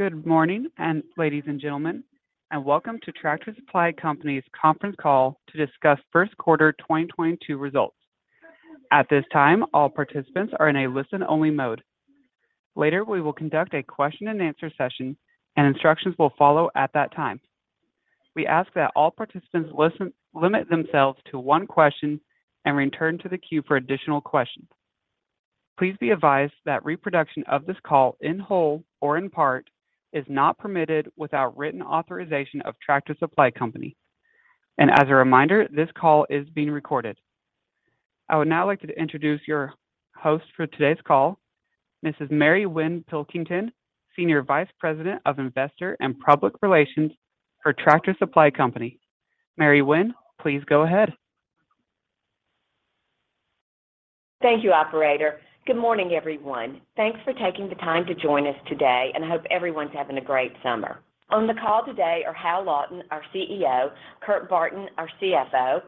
Good morning, ladies and gentlemen, and welcome to Tractor Supply Company's conference call to discuss first quarter 2022 results. At this time, all participants are in a listen-only mode. Later, we will conduct a question-and-answer session, and instructions will follow at that time. We ask that all participants limit themselves to one question and return to the queue for additional questions. Please be advised that reproduction of this call in whole or in part is not permitted without written authorization of Tractor Supply Company. As a reminder, this call is being recorded. I would now like to introduce your host for today's call, Mrs. Mary Winn Pilkington, Senior Vice President of Investor and Public Relations for Tractor Supply Company. Mary Winn, please go ahead. Thank you, operator. Good morning, everyone. Thanks for taking the time to join us today, and I hope everyone's having a great summer. On the call today are Hal Lawton, our CEO, Kurt Barton, our CFO.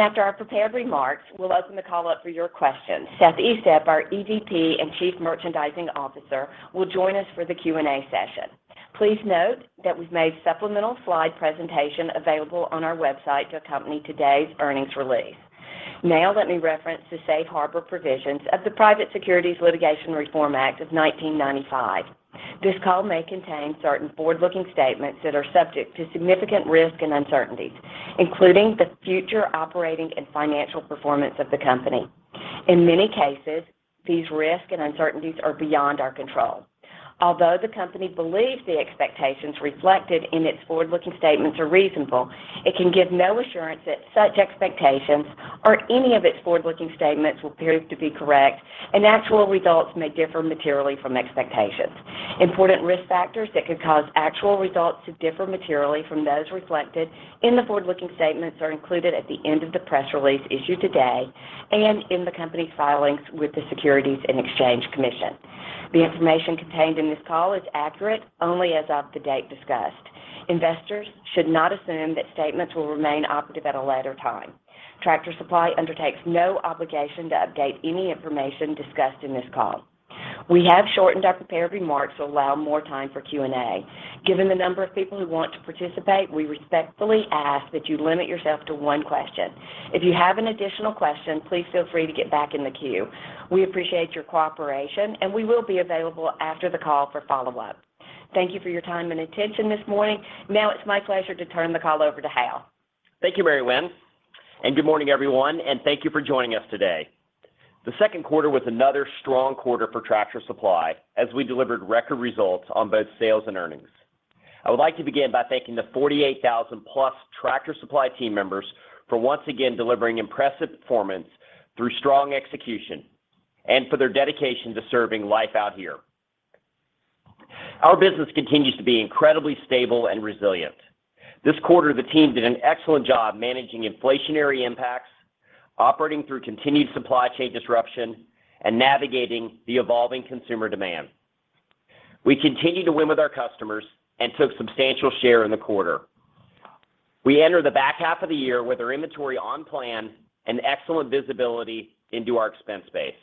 After our prepared remarks, we'll open the call up for your questions. Seth Estep, our EVP and Chief Merchandising Officer, will join us for the Q&A session. Please note that we've made supplemental slide presentation available on our website to accompany today's earnings release. Now let me reference the Safe Harbor provisions of the Private Securities Litigation Reform Act of 1995. This call may contain certain forward-looking statements that are subject to significant risk and uncertainties, including the future operating and financial performance of the company. In many cases, these risks and uncertainties are beyond our control. Although the company believes the expectations reflected in its forward-looking statements are reasonable, it can give no assurance that such expectations or any of its forward-looking statements will prove to be correct, and actual results may differ materially from expectations. Important risk factors that could cause actual results to differ materially from those reflected in the forward-looking statements are included at the end of the press release issued today and in the company's filings with the Securities and Exchange Commission. The information contained in this call is accurate only as of the date discussed. Investors should not assume that statements will remain operative at a later time. Tractor Supply undertakes no obligation to update any information discussed in this call. We have shortened our prepared remarks to allow more time for Q&A. Given the number of people who want to participate, we respectfully ask that you limit yourself to one question. If you have an additional question, please feel free to get back in the queue. We appreciate your cooperation, and we will be available after the call for follow-up. Thank you for your time and attention this morning. Now it's my pleasure to turn the call over to Hal. Thank you, Mary Winn, and good morning, everyone, and thank you for joining us today. The second quarter was another strong quarter for Tractor Supply as we delivered record results on both sales and earnings. I would like to begin by thanking the 48,000-plus Tractor Supply team members for once again delivering impressive performance through strong execution and for their dedication to serving Life Out Here. Our business continues to be incredibly stable and resilient. This quarter, the team did an excellent job managing inflationary impacts, operating through continued supply chain disruption and navigating the evolving consumer demand. We continue to win with our customers and took substantial share in the quarter. We enter the back half of the year with our inventory on plan and excellent visibility into our expense base.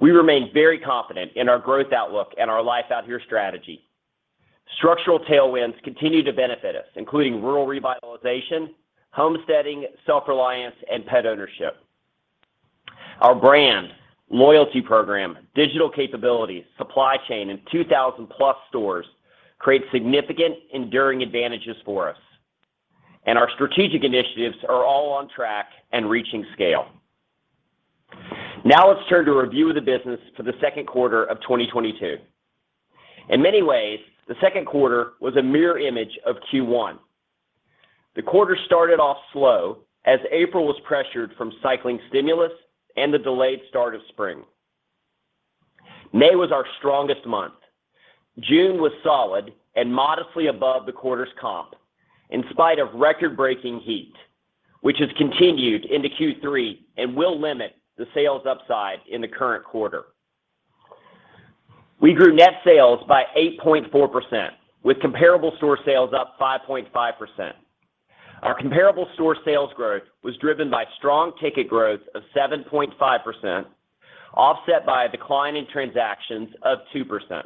We remain very confident in our growth outlook and our Life Out Here strategy. Structural tailwinds continue to benefit us, including rural revitalization, homesteading, self-reliance, and pet ownership. Our brand, loyalty program, digital capabilities, supply chain, and 2,000+ stores create significant enduring advantages for us. Our strategic initiatives are all on track and reaching scale. Now let's turn to review of the business for the second quarter of 2022. In many ways, the second quarter was a mirror image of Q1. The quarter started off slow as April was pressured from cycling stimulus and the delayed start of spring. May was our strongest month. June was solid and modestly above the quarter's comp in spite of record-breaking heat, which has continued into Q3 and will limit the sales upside in the current quarter. We grew net sales by 8.4% with comparable store sales up 5.5%. Our comparable store sales growth was driven by strong ticket growth of 7.5%, offset by a decline in transactions of 2%.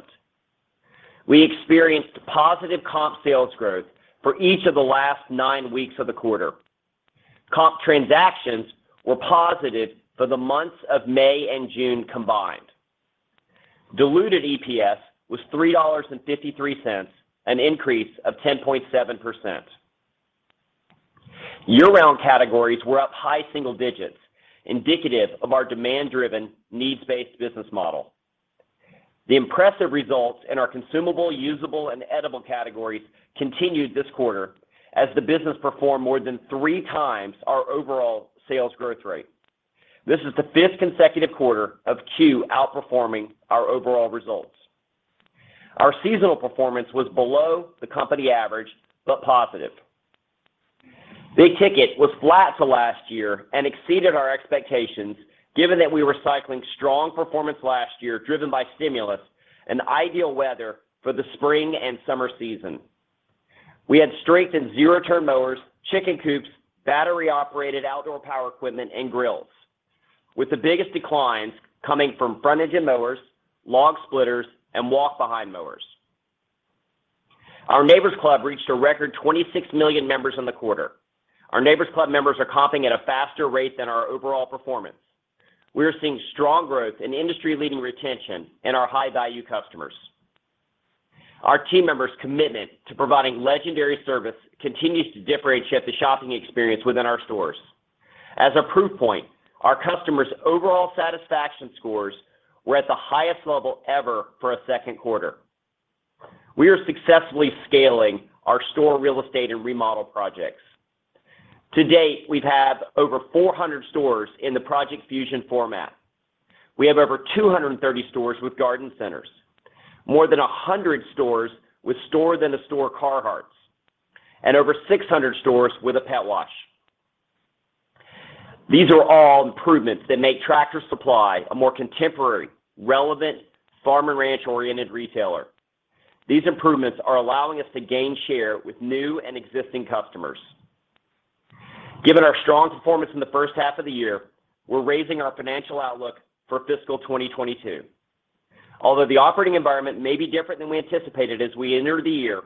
We experienced positive comp sales growth for each of the last 9 weeks of the quarter. Comp transactions were positive for the months of May and June combined. Diluted EPS was $3.53, an increase of 10.7%. Year-round categories were up high single digits, indicative of our demand-driven, needs-based business model. The impressive results in our consumable, usable, and edible categories continued this quarter as the business performed more than 3 times our overall sales growth rate. This is the fifth consecutive quarter of CUE outperforming our overall results. Our seasonal performance was below the company average but positive. Big ticket was flat to last year and exceeded our expectations given that we were cycling strong performance last year driven by stimulus and ideal weather for the spring and summer season. We had strength in zero-turn mowers, chicken coops, battery-operated outdoor power equipment, and grills, with the biggest declines coming from front-engine mowers, log splitters, and walk-behind mowers. Our Neighbor's Club reached a record 26 million members in the quarter. Our Neighbor's Club members are comping at a faster rate than our overall performance. We are seeing strong growth and industry-leading retention in our high-value customers. Our team members' commitment to providing legendary service continues to differentiate the shopping experience within our stores. As a proof point, our customers' overall satisfaction scores were at the highest level ever for a second quarter. We are successfully scaling our store real estate and remodel projects. To date, we've had over 400 stores in the Project Fusion format. We have over 230 stores with garden centers, more than 100 stores with store-within-a-store Carhartt, and over 600 stores with a pet wash. These are all improvements that make Tractor Supply a more contemporary, relevant, farm and ranch-oriented retailer. These improvements are allowing us to gain share with new and existing customers. Given our strong performance in the first half of the year, we're raising our financial outlook for fiscal 2022. Although the operating environment may be different than we anticipated as we entered the year,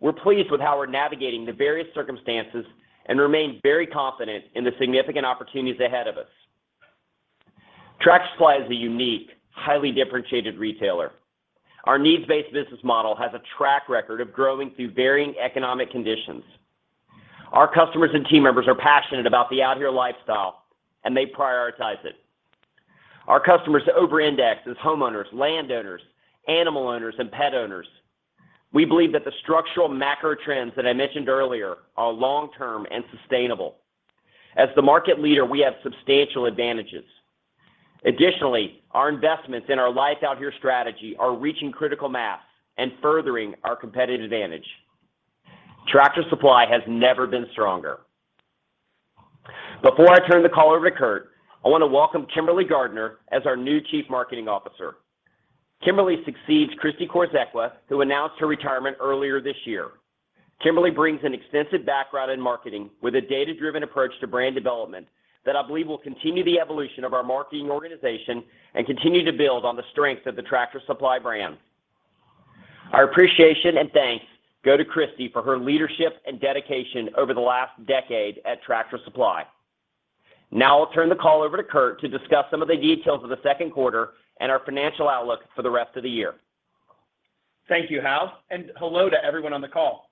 we're pleased with how we're navigating the various circumstances and remain very confident in the significant opportunities ahead of us. Tractor Supply is a unique, highly differentiated retailer. Our needs-based business model has a track record of growing through varying economic conditions. Our customers and team members are passionate about the Out Here lifestyle, and they prioritize it. Our customers over-index as homeowners, landowners, animal owners, and pet owners. We believe that the structural macro trends that I mentioned earlier are long-term and sustainable. As the market leader, we have substantial advantages. Additionally, our investments in our Life Out Here strategy are reaching critical mass and furthering our competitive advantage. Tractor Supply has never been stronger. Before I turn the call over to Kurt, I wanna welcome Kimberley Gardiner as our new Chief Marketing Officer. Kimberley succeeds Christi Korzekwa, who announced her retirement earlier this year. Kimberley brings an extensive background in marketing with a data-driven approach to brand development that I believe will continue the evolution of our marketing organization and continue to build on the strength of the Tractor Supply brand. Our appreciation and thanks go to Christi for her leadership and dedication over the last decade at Tractor Supply. Now I'll turn the call over to Kurt to discuss some of the details of the second quarter and our financial outlook for the rest of the year. Thank you, Hal, and hello to everyone on the call.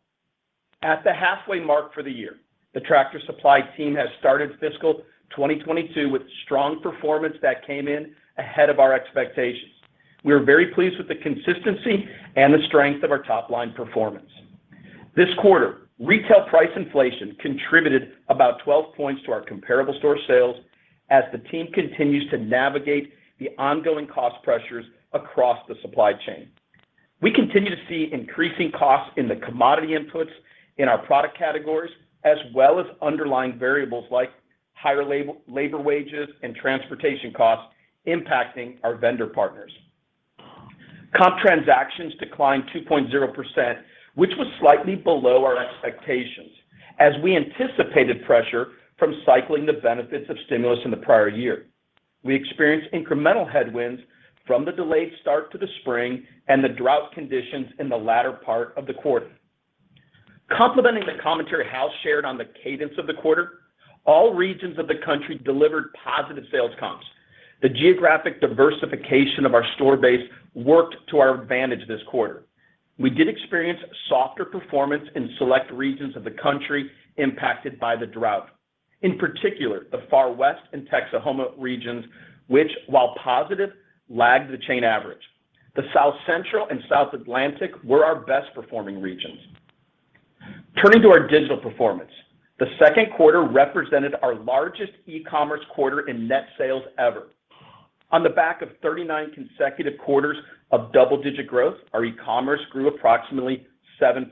At the halfway mark for the year, the Tractor Supply team has started fiscal 2022 with strong performance that came in ahead of our expectations. We are very pleased with the consistency and the strength of our top-line performance. This quarter, retail price inflation contributed about 12 points to our comparable store sales as the team continues to navigate the ongoing cost pressures across the supply chain. We continue to see increasing costs in the commodity inputs in our product categories, as well as underlying variables like higher labor wages and transportation costs impacting our vendor partners. Comp transactions declined 2.0%, which was slightly below our expectations. As we anticipated pressure from cycling the benefits of stimulus in the prior year, we experienced incremental headwinds from the delayed start to the spring and the drought conditions in the latter part of the quarter. Complementing the commentary Hal shared on the cadence of the quarter, all regions of the country delivered positive sales comps. The geographic diversification of our store base worked to our advantage this quarter. We did experience softer performance in select regions of the country impacted by the drought, in particular, the Far West and Texahoma regions, which, while positive, lagged the chain average. The South Central and South Atlantic were our best-performing regions. Turning to our digital performance, the second quarter represented our largest e-commerce quarter in net sales ever. On the back of 39 consecutive quarters of double-digit growth, our e-commerce grew approximately 7%.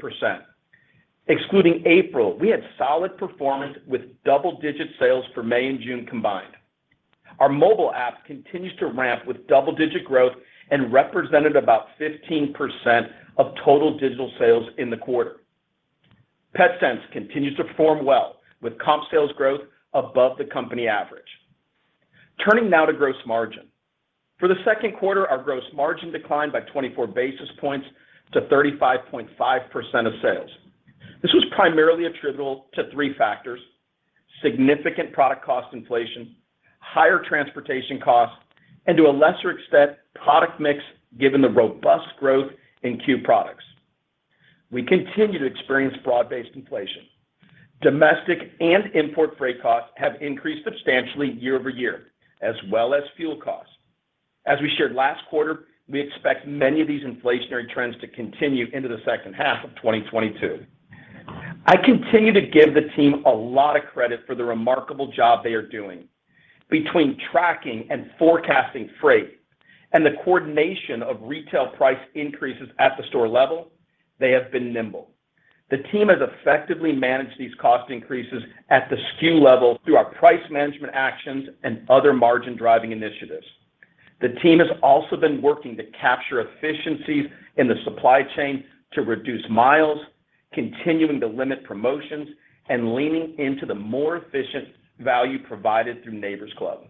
Excluding April, we had solid performance with double-digit sales for May and June combined. Our mobile app continues to ramp with double-digit growth and represented about 15% of total digital sales in the quarter. Petsense continues to perform well with comp sales growth above the company average. Turning now to gross margin. For the second quarter, our gross margin declined by 24 basis points to 35.5% of sales. This was primarily attributable to three factors, significant product cost inflation, higher transportation costs, and to a lesser extent, product mix given the robust growth in CUE products. We continue to experience broad-based inflation. Domestic and import freight costs have increased substantially year-over-year, as well as fuel costs. As we shared last quarter, we expect many of these inflationary trends to continue into the second half of 2022. I continue to give the team a lot of credit for the remarkable job they are doing between tracking and forecasting freight and the coordination of retail price increases at the store level. They have been nimble. The team has effectively managed these cost increases at the SKU level through our price management actions and other margin-driving initiatives. The team has also been working to capture efficiencies in the supply chain to reduce miles, continuing to limit promotions, and leaning into the more efficient value provided through Neighbor's Club.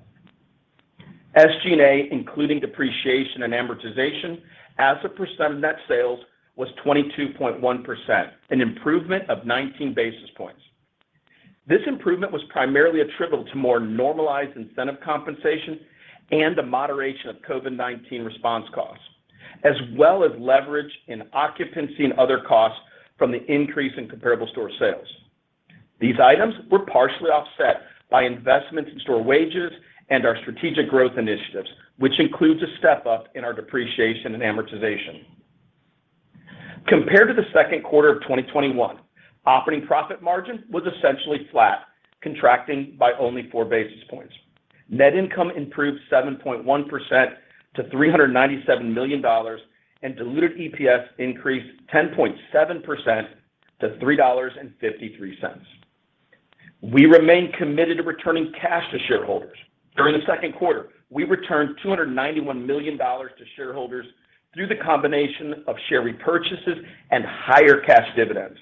SG&A, including depreciation and amortization as a percent of net sales, was 22.1%, an improvement of 19 basis points. This improvement was primarily attributable to more normalized incentive compensation and a moderation of COVID-19 response costs, as well as leverage in occupancy and other costs from the increase in comparable store sales. These items were partially offset by investments in store wages and our strategic growth initiatives, which includes a step-up in our depreciation and amortization. Compared to the second quarter of 2021, operating profit margin was essentially flat, contracting by only 4 basis points. Net income improved 7.1% to $397 million, and diluted EPS increased 10.7% to $3.53. We remain committed to returning cash to shareholders. During the second quarter, we returned $291 million to shareholders through the combination of share repurchases and higher cash dividends.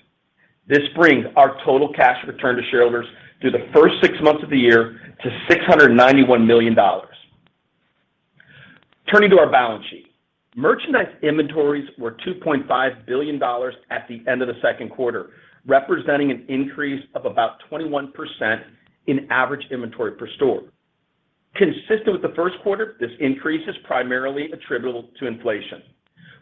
This brings our total cash return to shareholders through the first six months of the year to $691 million. Turning to our balance sheet. Merchandise inventories were $2.5 billion at the end of the second quarter, representing an increase of about 21% in average inventory per store. Consistent with the first quarter, this increase is primarily attributable to inflation.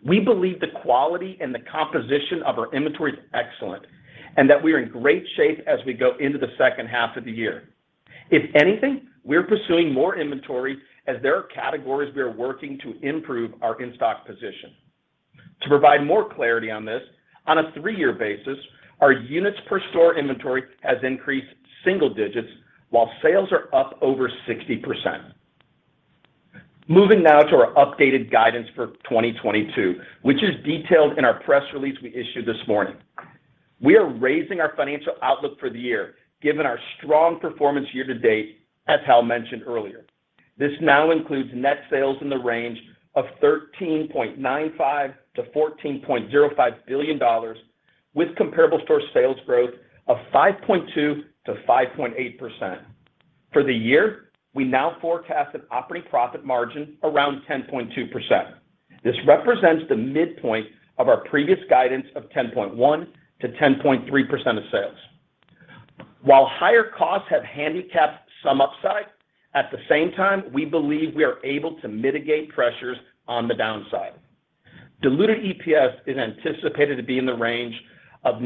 We believe the quality and the composition of our inventory is excellent, and that we are in great shape as we go into the second half of the year. If anything, we're pursuing more inventory as there are categories we are working to improve our in-stock position. To provide more clarity on this, on a three-year basis, our units per store inventory has increased single digits while sales are up over 60%. Moving now to our updated guidance for 2022, which is detailed in our press release we issued this morning. We are raising our financial outlook for the year given our strong performance year to date, as Hal mentioned earlier. This now includes net sales in the range of $13.95 billion-$14.05 billion with comparable store sales growth of 5.2%-5.8%. For the year, we now forecast an operating profit margin around 10.2%. This represents the midpoint of our previous guidance of 10.1%-10.3% of sales. While higher costs have handicapped some upside, at the same time, we believe we are able to mitigate pressures on the downside. Diluted EPS is anticipated to be in the range of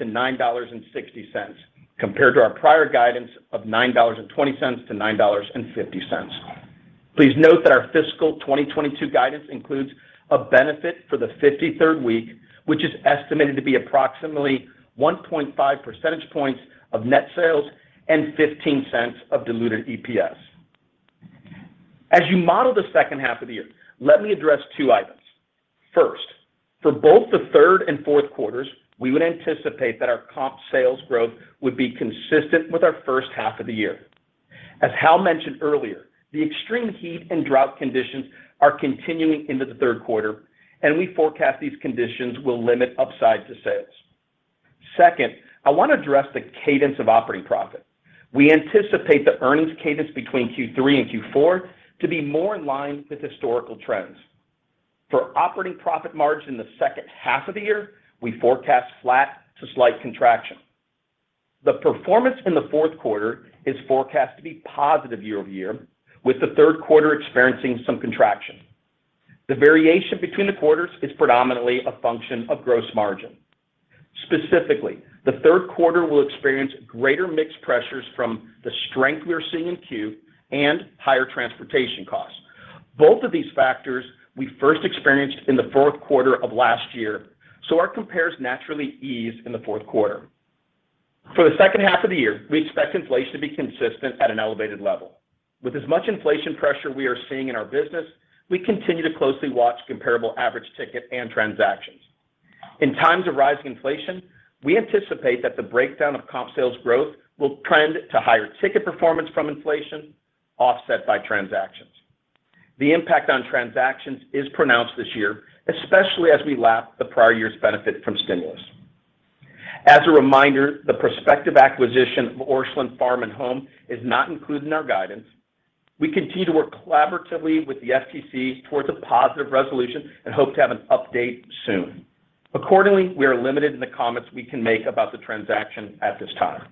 $9.48-$9.60, compared to our prior guidance of $9.20-$9.50. Please note that our fiscal 2022 guidance includes a benefit for the 53rd week, which is estimated to be approximately 1.5 percentage points of net sales and $0.15 of diluted EPS. As you model the second half of the year, let me address two items. First, for both the third and fourth quarters, we would anticipate that our comp sales growth would be consistent with our first half of the year. As Hal mentioned earlier, the extreme heat and drought conditions are continuing into the third quarter, and we forecast these conditions will limit upside to sales. Second, I want to address the cadence of operating profit. We anticipate the earnings cadence between Q3 and Q4 to be more in line with historical trends. For operating profit margin in the second half of the year, we forecast flat to slight contraction. The performance in the fourth quarter is forecast to be positive year-over-year, with the third quarter experiencing some contraction. The variation between the quarters is predominantly a function of gross margin. Specifically, the third quarter will experience greater mix pressures from the strength we are seeing in CUE and higher transportation costs. Both of these factors we first experienced in the fourth quarter of last year, so our compares naturally ease in the fourth quarter. For the second half of the year, we expect inflation to be consistent at an elevated level. With as much inflation pressure we are seeing in our business, we continue to closely watch comparable average ticket and transactions. In times of rising inflation, we anticipate that the breakdown of comp sales growth will trend to higher ticket performance from inflation, offset by transactions. The impact on transactions is pronounced this year, especially as we lap the prior year's benefit from stimulus. As a reminder, the prospective acquisition of Orscheln Farm and Home is not included in our guidance. We continue to work collaboratively with the FTC towards a positive resolution and hope to have an update soon. Accordingly, we are limited in the comments we can make about the transaction at this time.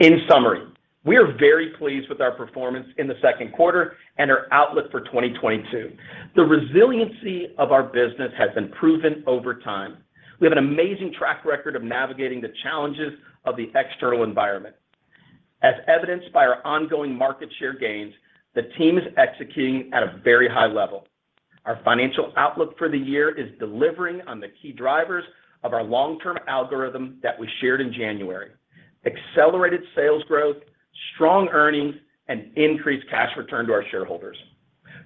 In summary, we are very pleased with our performance in the second quarter and our outlook for 2022. The resiliency of our business has been proven over time. We have an amazing track record of navigating the challenges of the external environment. As evidenced by our ongoing market share gains, the team is executing at a very high level. Our financial outlook for the year is delivering on the key drivers of our long-term algorithm that we shared in January, accelerated sales growth, strong earnings, and increased cash return to our shareholders.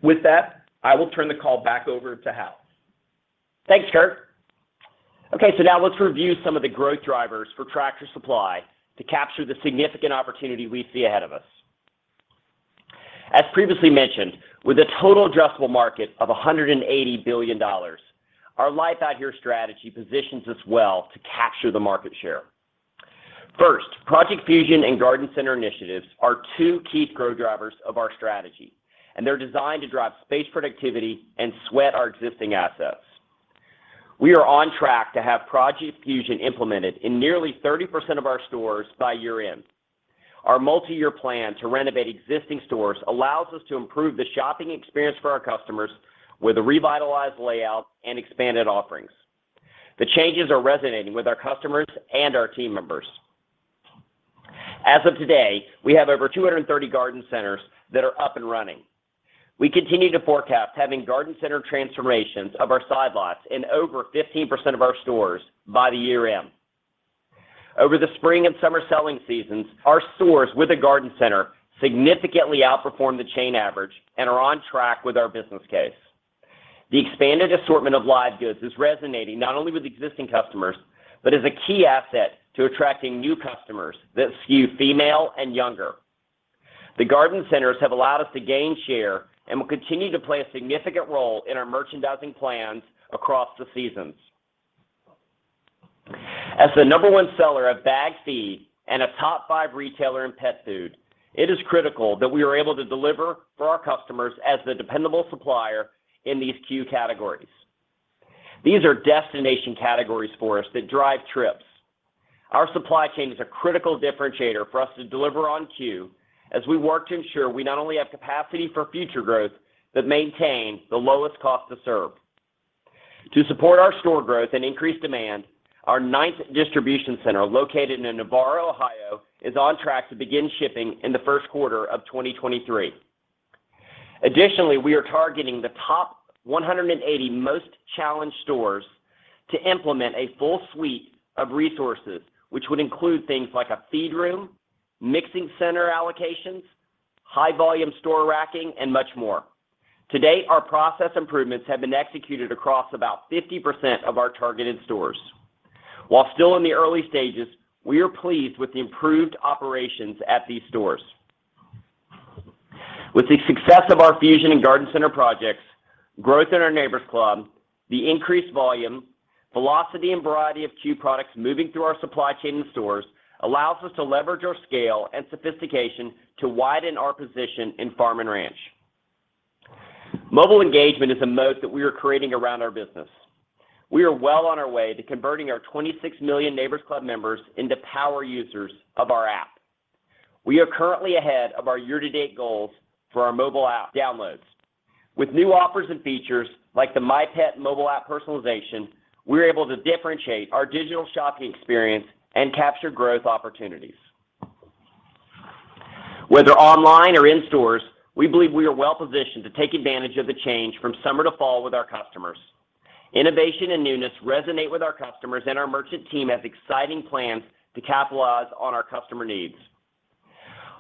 With that, I will turn the call back over to Hal. Thanks, Kurt. Okay. Now let's review some of the growth drivers for Tractor Supply to capture the significant opportunity we see ahead of us. As previously mentioned, with a total addressable market of $180 billion, our Life Out Here strategy positions us well to capture the market share. First, Project Fusion and Garden Center initiatives are two key growth drivers of our strategy, and they're designed to drive space productivity and sweat our existing assets. We are on track to have Project Fusion implemented in nearly 30% of our stores by year-end. Our multiyear plan to renovate existing stores allows us to improve the shopping experience for our customers with a revitalized layout and expanded offerings. The changes are resonating with our customers and our team members. As of today, we have over 230 garden centers that are up and running. We continue to forecast having garden center transformations of our side lots in over 15% of our stores by the year-end. Over the spring and summer selling seasons, our stores with a garden center significantly outperformed the chain average and are on track with our business case. The expanded assortment of live goods is resonating not only with existing customers, but as a key asset to attracting new customers that skew female and younger. The garden centers have allowed us to gain share and will continue to play a significant role in our merchandising plans across the seasons. As the number one seller of bagged feed and a top five retailer in pet food, it is critical that we are able to deliver for our customers as the dependable supplier in these CUE categories. These are destination categories for us that drive trips. Our supply chain is a critical differentiator for us to deliver on CUE as we work to ensure we not only have capacity for future growth, but maintain the lowest cost to serve. To support our store growth and increase demand, our ninth distribution center located in Navarre, Ohio, is on track to begin shipping in the first quarter of 2023. Additionally, we are targeting the top 180 most challenged stores to implement a full suite of resources, which would include things like a feed room, mixing center allocations, high volume store racking and much more. To date, our process improvements have been executed across about 50% of our targeted stores. While still in the early stages, we are pleased with the improved operations at these stores. With the success of our Fusion and Garden Center projects, growth in our Neighbor's Club, the increased volume, velocity and variety of CUE products moving through our supply chain and stores allows us to leverage our scale and sophistication to widen our position in farm and ranch. Mobile engagement is a mode that we are creating around our business. We are well on our way to converting our 26 million Neighbor's Club members into power users of our app. We are currently ahead of our year-to-date goals for our mobile app downloads. With new offers and features like the My Pet mobile app personalization, we're able to differentiate our digital shopping experience and capture growth opportunities. Whether online or in stores, we believe we are well positioned to take advantage of the change from summer to fall with our customers. Innovation and newness resonate with our customers, and our merchant team has exciting plans to capitalize on our customer needs.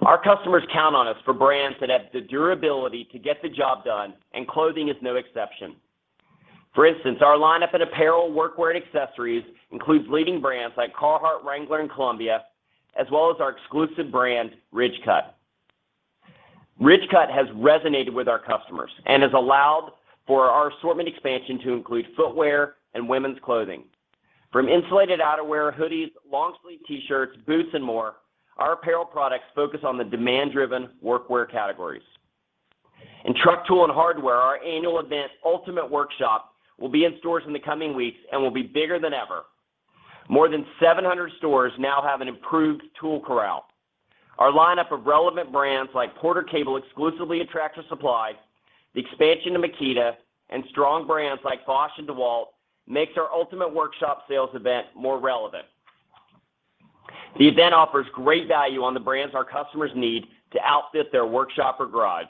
Our customers count on us for brands that have the durability to get the job done, and clothing is no exception. For instance, our lineup in apparel, workwear, and accessories includes leading brands like Carhartt, Wrangler, and Columbia, as well as our exclusive brand Ridgecut. Ridgecut has resonated with our customers and has allowed for our assortment expansion to include footwear and women's clothing. From insulated outerwear, hoodies, long sleeve T-shirts, boots and more, our apparel products focus on the demand-driven workwear categories. In truck tool and hardware, our annual event, Ultimate Workshop, will be in stores in the coming weeks and will be bigger than ever. More than 700 stores now have an improved tool corral. Our lineup of relevant brands like Porter-Cable exclusively at Tractor Supply, the expansion to Makita, and strong brands like Bosch and DEWALT makes our Ultimate Workshop sales event more relevant. The event offers great value on the brands our customers need to outfit their workshop or garage.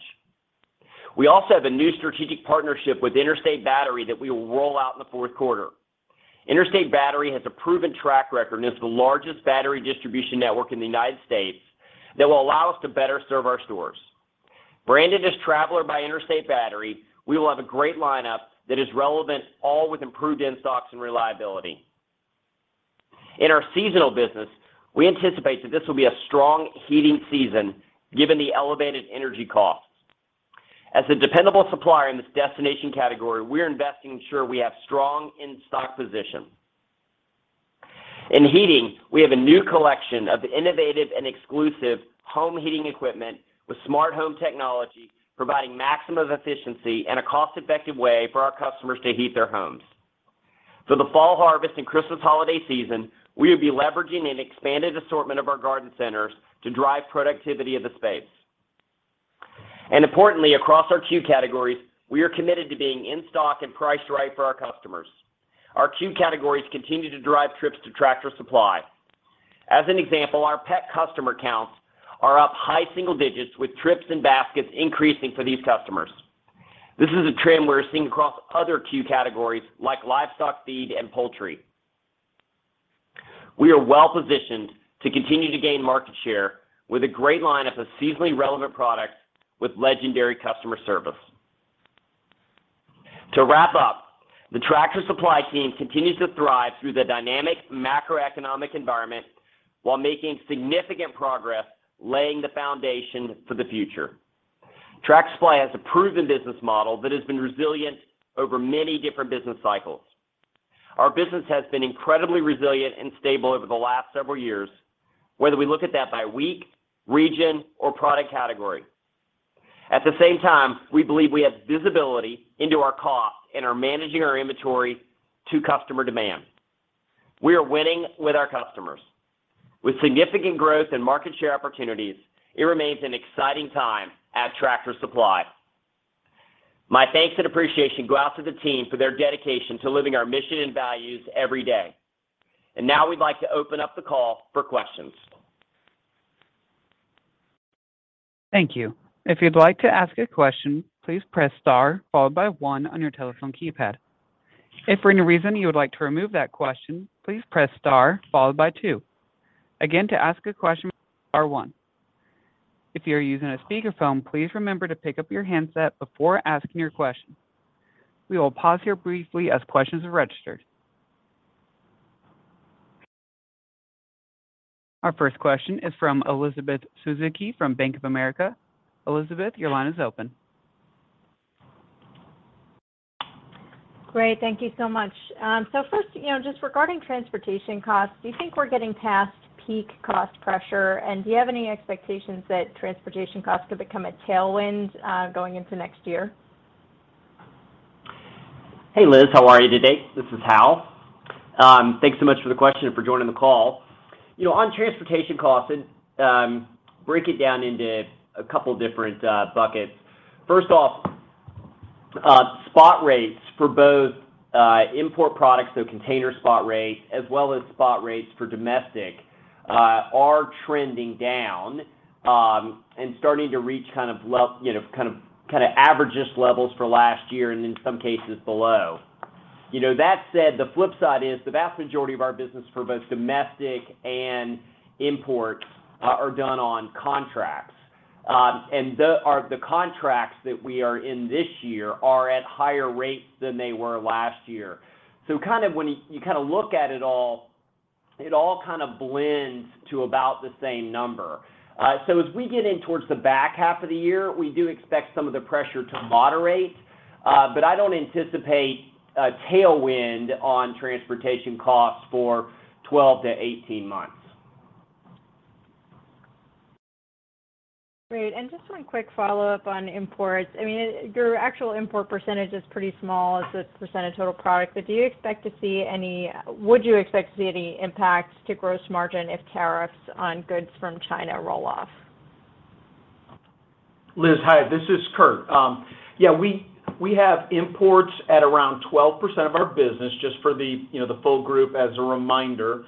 We also have a new strategic partnership with Interstate Batteries that we will roll out in the fourth quarter. Interstate Batteries has a proven track record and is the largest battery distribution network in the United States that will allow us to better serve our stores. Branded as Traveller by Interstate Batteries, we will have a great lineup that is relevant, all with improved in-stocks and reliability. In our seasonal business, we anticipate that this will be a strong heating season given the elevated energy costs. As a dependable supplier in this destination category, we're investing to ensure we have strong in-stock position. In heating, we have a new collection of innovative and exclusive home heating equipment with smart home technology, providing maximum efficiency and a cost-effective way for our customers to heat their homes. For the fall harvest and Christmas holiday season, we will be leveraging an expanded assortment of our garden centers to drive productivity of the space. Importantly, across our CUE categories, we are committed to being in stock and priced right for our customers. Our CUE categories continue to drive trips to Tractor Supply. As an example, our pet customer counts are up high single digits with trips and baskets increasing for these customers. This is a trend we're seeing across other CUE categories like livestock feed and poultry. We are well positioned to continue to gain market share with a great lineup of seasonally relevant products with legendary customer service. To wrap up, the Tractor Supply team continues to thrive through the dynamic macroeconomic environment while making significant progress laying the foundation for the future. Tractor Supply has a proven business model that has been resilient over many different business cycles. Our business has been incredibly resilient and stable over the last several years, whether we look at that by week, region, or product category. At the same time, we believe we have visibility into our costs and are managing our inventory to customer demand. We are winning with our customers. With significant growth and market share opportunities, it remains an exciting time at Tractor Supply. My thanks and appreciation go out to the team for their dedication to living our mission and values every day. Now we'd like to open up the call for questions. Thank you. If you'd like to ask a question, please press star followed by one on your telephone keypad. If for any reason you would like to remove that question, please press star followed by two. Again, to ask a question, star one. If you're using a speakerphone, please remember to pick up your handset before asking your question. We will pause here briefly as questions are registered. Our first question is from Elizabeth Suzuki from Bank of America. Elizabeth, your line is open. Great. Thank you so much. First, you know, just regarding transportation costs, do you think we're getting past peak cost pressure? Do you have any expectations that transportation costs could become a tailwind, going into next year? Hey, Liz. How are you today? This is Hal. Thanks so much for the question and for joining the call. You know, on transportation costs and break it down into a couple different buckets. First off, spot rates for both import products, so container spot rates, as well as spot rates for domestic, are trending down and starting to reach kind of average levels for last year and in some cases below. You know, that said, the flip side is the vast majority of our business for both domestic and import are done on contracts. The contracts that we are in this year are at higher rates than they were last year. Kind of when you kinda look at it all, it all kinda blends to about the same number. As we get in towards the back half of the year, we do expect some of the pressure to moderate, but I don't anticipate a tailwind on transportation costs for 12-18 months. Great. Just one quick follow-up on imports. I mean, your actual import percentage is pretty small as a percent of total product. Would you expect to see any impact to gross margin if tariffs on goods from China roll off? Liz, hi. This is Kurt. We have imports at around 12% of our business just for the, you know, the full group as a reminder.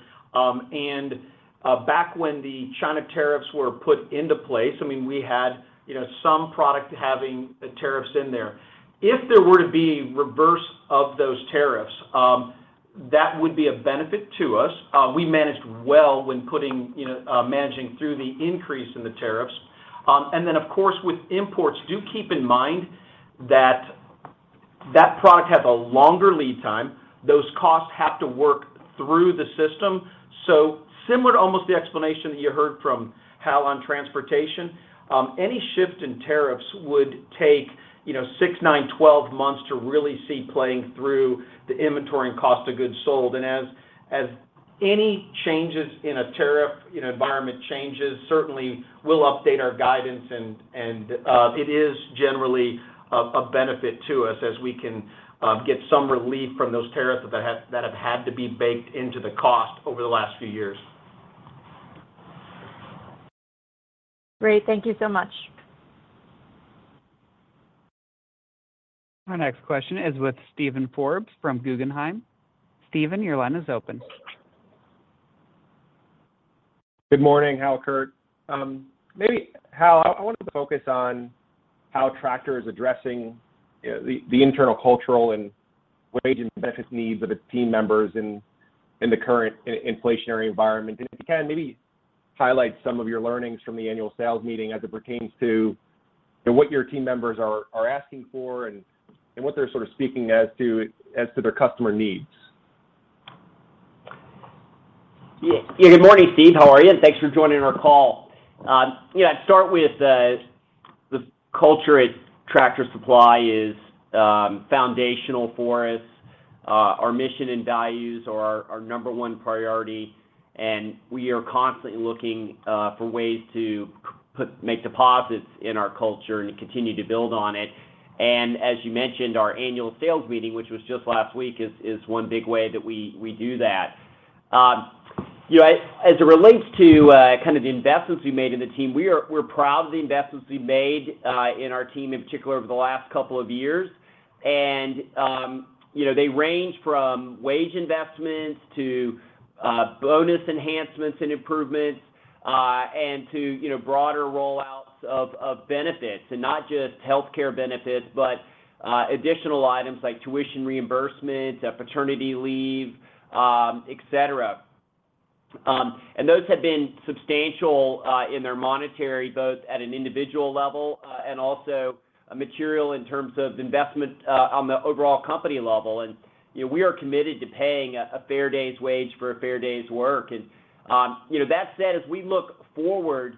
Back when the China tariffs were put into place, I mean, we had, you know, some product having tariffs in there. If there were to be reverse of those tariffs, that would be a benefit to us. We managed well when putting, you know, managing through the increase in the tariffs. Of course with imports, do keep in mind that that product has a longer lead time. Those costs have to work through the system. Similar to almost the explanation you heard from Hal on transportation, any shift in tariffs would take, you know, six, nine, 12 months to really see playing through the inventory and cost of goods sold. As any changes in a tariff, you know, environment changes, certainly we'll update our guidance and it is generally a benefit to us as we can get some relief from those tariffs that have had to be baked into the cost over the last few years. Great. Thank you so much. Our next question is with Steven Forbes from Guggenheim. Steven, your line is open. Good morning, Hal, Kurt. Maybe Hal, I wanted to focus on how Tractor is addressing, you know, the internal cultural and wage and benefits needs of its team members in the current inflationary environment. If you can, maybe highlight some of your learnings from the annual sales meeting as it pertains to, you know, what your team members are asking for and what they're sort of speaking as to their customer needs. Yeah, good morning, Steve. How are you? Thanks for joining our call. Yeah, start with the culture at Tractor Supply is foundational for us. Our mission and values are our number one priority, and we are constantly looking for ways to make deposits in our culture and continue to build on it. As you mentioned, our annual sales meeting, which was just last week, is one big way that we do that. You know, as it relates to kind of the investments we made in the team, we're proud of the investments we made in our team in particular over the last couple of years. You know, they range from wage investments to bonus enhancements and improvements and to, you know, broader rollouts of benefits and not just healthcare benefits, but additional items like tuition reimbursement, paternity leave, et cetera. Those have been substantial in their monetary, both at an individual level and also material in terms of investment on the overall company level. You know, we are committed to paying a fair day's wage for a fair day's work. You know, that said, as we look forward,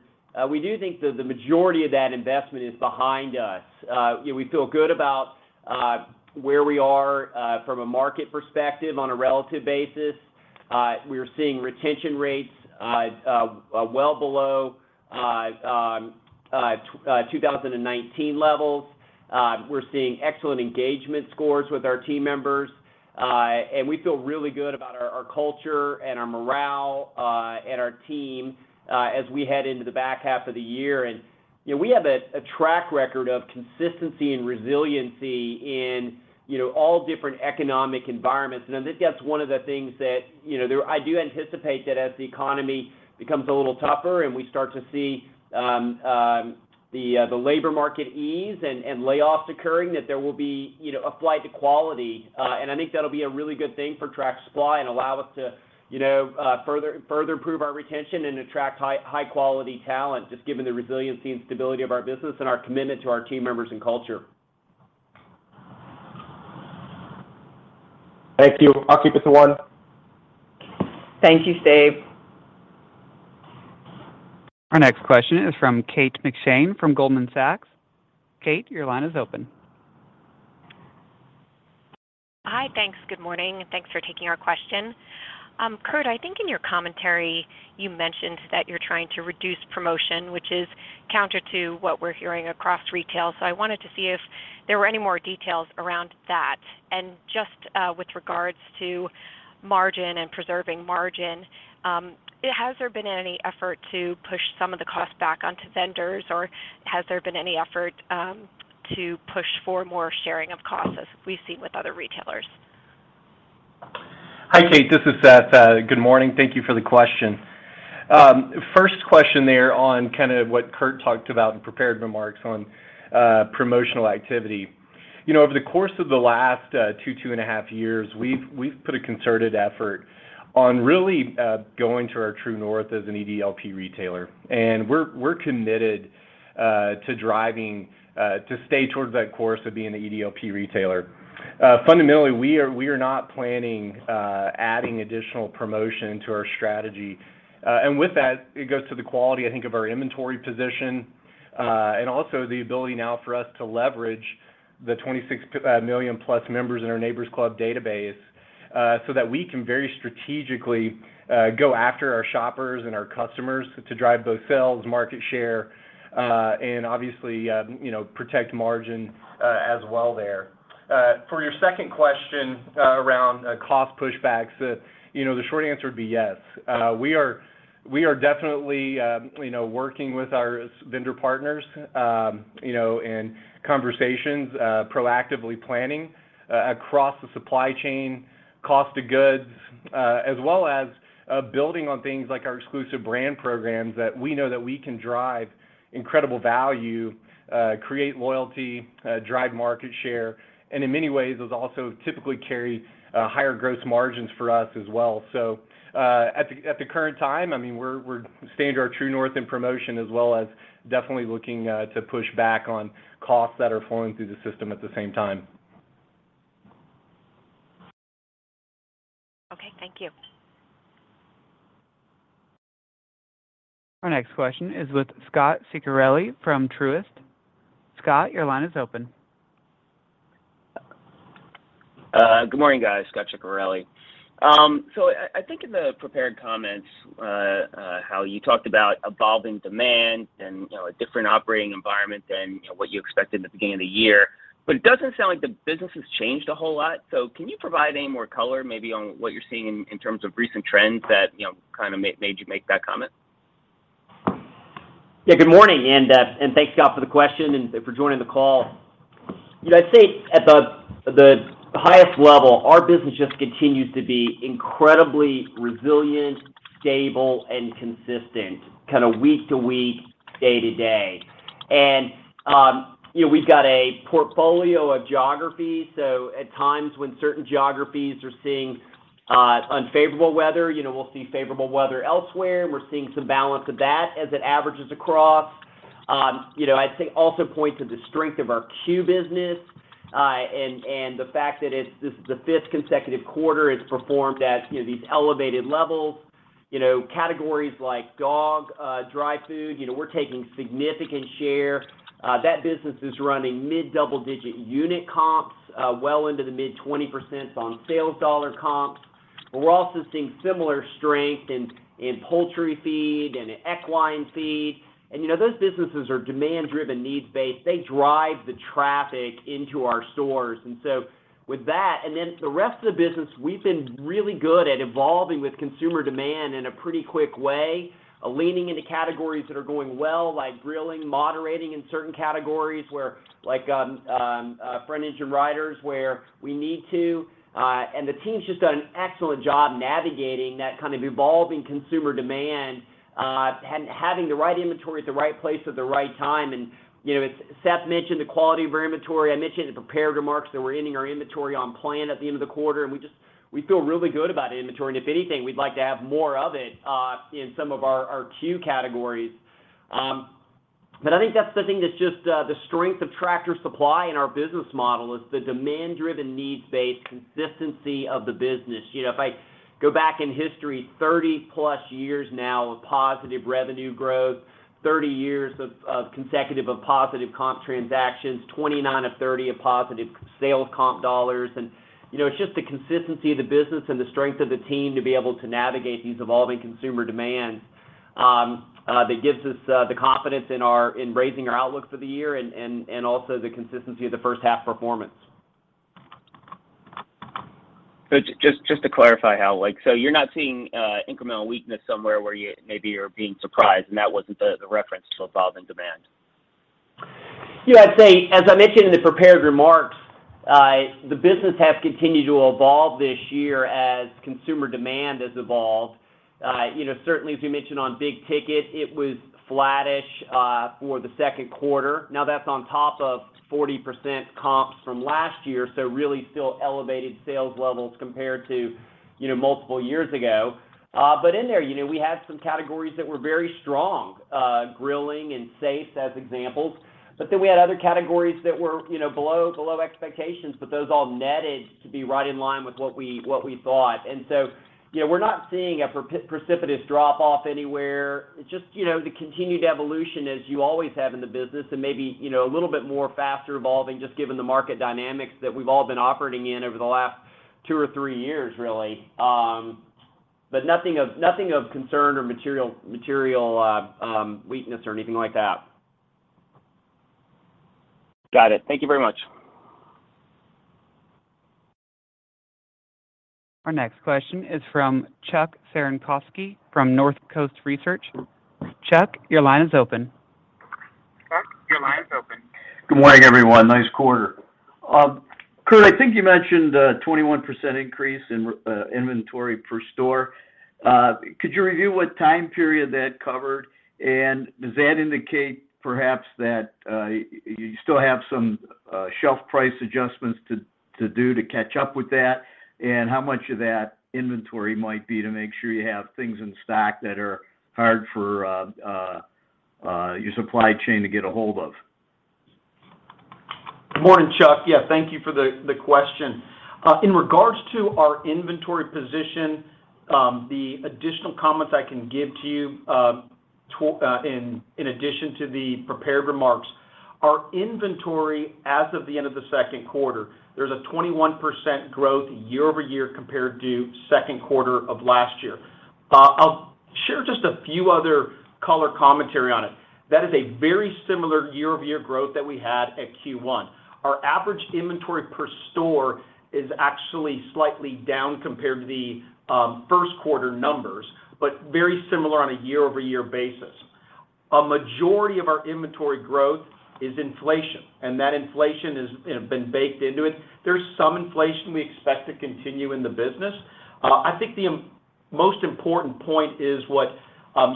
we do think that the majority of that investment is behind us. You know, we feel good about where we are from a market perspective on a relative basis. We're seeing retention rates well below 2019 levels. We're seeing excellent engagement scores with our team members. We feel really good about our culture and our morale and our team as we head into the back half of the year. You know, we have a track record of consistency and resiliency in you know, all different economic environments. I think that's one of the things that, you know, I do anticipate that as the economy becomes a little tougher and we start to see the labor market ease and layoffs occurring, that there will be, you know, a flight to quality. I think that'll be a really good thing for Tractor Supply and allow us to, you know, further improve our retention and attract high quality talent, just given the resiliency and stability of our business and our commitment to our team members and culture. Thank you. I'll keep it to one. Thank you, Steve. Our next question is from Kate McShane from Goldman Sachs. Kate, your line is open. Hi. Thanks. Good morning, and thanks for taking our question. Kurt, I think in your commentary you mentioned that you're trying to reduce promotion, which is counter to what we're hearing across retail. I wanted to see if there were any more details around that. Just with regards to margin and preserving margin, has there been any effort to push some of the costs back onto vendors, or has there been any effort to push for more sharing of costs as we've seen with other retailers? Hi, Kate, this is Seth. Good morning. Thank you for the question. First question there on kind of what Kurt talked about in prepared remarks on promotional activity. You know, over the course of the last 2.5 years, we've put a concerted effort on really going to our true north as an EDLP retailer, and we're committed to driving to stay towards that course of being an EDLP retailer. Fundamentally, we are not planning adding additional promotion to our strategy. With that, it goes to the quality, I think, of our inventory position, and also the ability now for us to leverage the 26 million-plus members in our Neighbor's Club database, so that we can very strategically go after our shoppers and our customers to drive both sales, market share, and obviously, you know, protect margin, as well there. For your second question, around cost pushbacks, you know, the short answer would be yes. We are definitely, you know, working with our vendor partners, you know, in conversations, proactively planning across the supply chain cost of goods, as well as building on things like our exclusive brand programs that we know that we can drive incredible value, create loyalty, drive market share, and in many ways, those also typically carry higher gross margins for us as well. At the current time, I mean, we're staying to our true north in promotion as well as definitely looking to push back on costs that are flowing through the system at the same time. Okay. Thank you. Our next question is with Scot Ciccarelli from Truist. Scot, your line is open. Good morning, guys. Scot Ciccarelli. I think in the prepared comments, how you talked about evolving demand and, you know, a different operating environment than, you know, what you expected at the beginning of the year, but it doesn't sound like the business has changed a whole lot. Can you provide any more color maybe on what you're seeing in terms of recent trends that, you know, kind of made you make that comment? Yeah, good morning and thanks, Scot, for the question and for joining the call. You know, I'd say at the highest level, our business just continues to be incredibly resilient, stable and consistent kind of week to week, day to day. You know, we've got a portfolio of geographies. So at times when certain geographies are seeing unfavorable weather, you know, we'll see favorable weather elsewhere. We're seeing some balance of that as it averages across. You know, I'd say also points to the strength of our CUE business and the fact that it's the fifth consecutive quarter it's performed at, you know, these elevated levels. You know, categories like dog dry food, you know, we're taking significant share. That business is running mid double-digit unit comps, well into the mid-20% on sales dollar comps. We're also seeing similar strength in poultry feed and equine feed. You know, those businesses are demand driven, needs-based. They drive the traffic into our stores. With that, and then the rest of the business, we've been really good at evolving with consumer demand in a pretty quick way, leaning into categories that are going well, like grilling, moderating in certain categories where like front-engine riders where we need to. The team's just done an excellent job navigating that kind of evolving consumer demand, and having the right inventory at the right place at the right time. You know, Seth mentioned the quality of our inventory. I mentioned in the prepared remarks that we're ending our inventory on plan at the end of the quarter, and we just. We feel really good about inventory, and if anything, we'd like to have more of it in some of our CUE categories. I think that's the thing that's just the strength of Tractor Supply and our business model is the demand-driven, needs-based consistency of the business. You know, if I go back in history, 30-plus years now of positive revenue growth, 30 years of consecutive positive comp transactions, 29 of 30 of positive sales comp dollars. You know, it's just the consistency of the business and the strength of the team to be able to navigate these evolving consumer demands that gives us the confidence in raising our outlook for the year and also the consistency of the first half performance. Just to clarify, Hal, like, so you're not seeing incremental weakness somewhere where you maybe are being surprised, and that wasn't the reference to evolving demand? Yeah, I'd say, as I mentioned in the prepared remarks, the business has continued to evolve this year as consumer demand has evolved. You know, certainly as we mentioned on big ticket, it was flattish for the second quarter. Now, that's on top of 40% comps from last year, so really still elevated sales levels compared to, you know, multiple years ago. But in there, you know, we had some categories that were very strong, grilling and safes as examples. But then we had other categories that were, you know, below expectations, but those all netted to be right in line with what we thought. You know, we're not seeing a precipitous drop-off anywhere. Just, you know, the continued evolution as you always have in the business and maybe, you know, a little bit more faster evolving just given the market dynamics that we've all been operating in over the last two or three years really. Nothing of concern or material weakness or anything like that. Got it. Thank you very much. Our next question is from Chuck Cerankosky from Northcoast Research. Chuck, your line is open. Chuck, your line is open. Good morning, everyone. Nice quarter. Kurt, I think you mentioned a 21% increase in inventory per store. Could you review what time period that covered? Does that indicate perhaps that you still have some shelf price adjustments to do to catch up with that? How much of that inventory might be to make sure you have things in stock that are hard for your supply chain to get a hold of? Good morning, Chuck. Yeah, thank you for the question. In regards to our inventory position, the additional comments I can give to you, in addition to the prepared remarks, our inventory as of the end of the second quarter, there's a 21% growth year-over-year compared to second quarter of last year. I'll share just a few other color commentary on it. That is a very similar year-over-year growth that we had at Q1. Our average inventory per store is actually slightly down compared to the first quarter numbers, but very similar on a year-over-year basis. A majority of our inventory growth is inflation, and that inflation has, you know, been baked into it. There's some inflation we expect to continue in the business. I think the most important point is what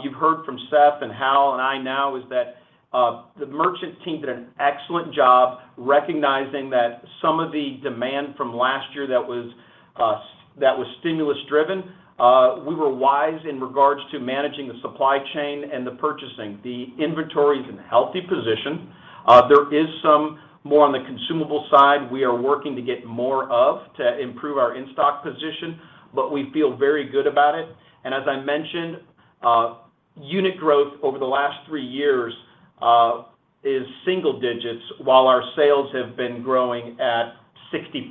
you've heard from Seth and Hal and I now is that the merchant team did an excellent job recognizing that some of the demand from last year that was stimulus driven, we were wise in regards to managing the supply chain and the purchasing. The inventory's in a healthy position. There is some more on the consumable side we are working to get more of to improve our in-stock position, but we feel very good about it. As I mentioned, unit growth over the last three years is single digits while our sales have been growing at 60%.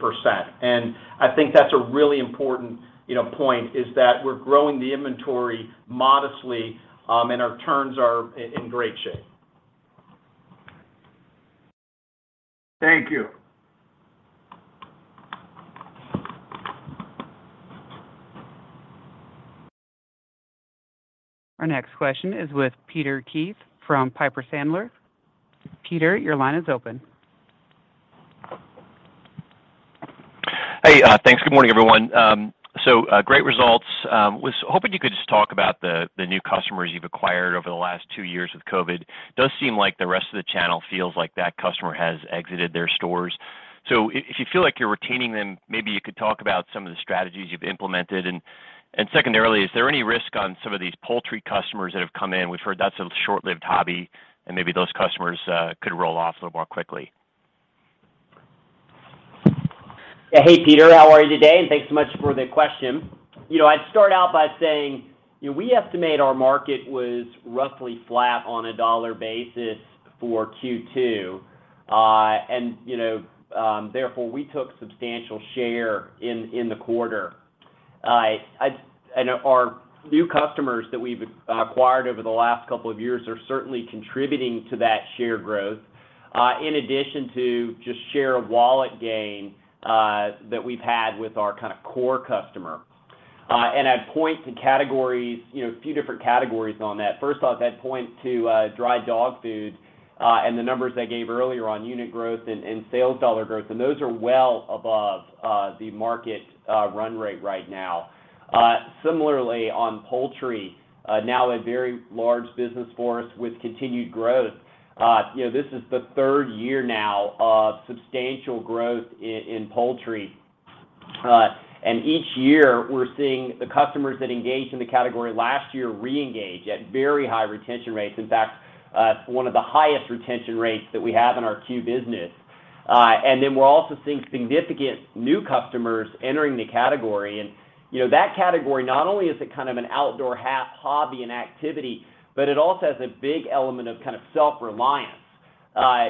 I think that's a really important, you know, point is that we're growing the inventory modestly, and our turns are in great shape. Thank you. Our next question is with Peter Keith from Piper Sandler. Peter, your line is open. Hey, thanks. Good morning, everyone. Great results. Was hoping you could just talk about the new customers you've acquired over the last two years with COVID. Does seem like the rest of the channel feels like that customer has exited their stores. If you feel like you're retaining them, maybe you could talk about some of the strategies you've implemented. Secondarily, is there any risk on some of these poultry customers that have come in? We've heard that's a short-lived hobby, and maybe those customers could roll off a little more quickly. Yeah. Hey, Peter. How are you today? Thanks so much for the question. You know, I'd start out by saying, you know, we estimate our market was roughly flat on a dollar basis for Q2. You know, therefore, we took substantial share in the quarter. Our new customers that we've acquired over the last couple of years are certainly contributing to that share growth, in addition to just share-of-wallet gain, that we've had with our kind of core customer. I'd point to categories, you know, a few different categories on that. First off, I'd point to dry dog food and the numbers I gave earlier on unit growth and sales dollar growth, and those are well above the market run rate right now. Similarly, on poultry, now a very large business for us with continued growth. You know, this is the third year now of substantial growth in poultry. Each year, we're seeing the customers that engaged in the category last year re-engage at very high retention rates. In fact, one of the highest retention rates that we have in our Q business. We're also seeing significant new customers entering the category. You know, that category, not only is it kind of an outdoor hobby and activity, but it also has a big element of kind of self-reliance.